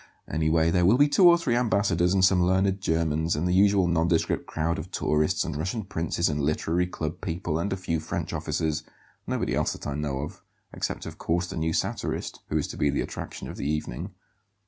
Anyway, there will be two or three ambassadors and some learned Germans, and the usual nondescript crowd of tourists and Russian princes and literary club people, and a few French officers; nobody else that I know of except, of course, the new satirist, who is to be the attraction of the evening."